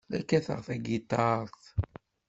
La kkateɣ tagiṭart.